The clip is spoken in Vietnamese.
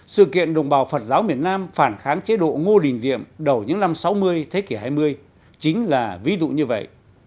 sự kiện đồng bào phật giáo miền nam phản kháng chế độ ngô đình diệm đầu những năm sáu mươi thế kỷ hai mươi chính là ví dụ như vậy